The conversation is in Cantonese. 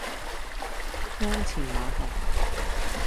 鞍前馬後